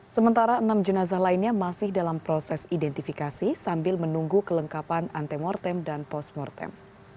sementara enam jenazah lainnya masih dalam proses identifikasi sambil menunggu kelengkapan antemortem dan postmortem